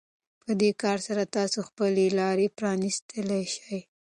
په دې کار سره تاسو خپلې لارې پرانيستلی شئ.